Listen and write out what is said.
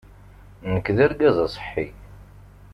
Nekk d argaz aṣeḥḥi.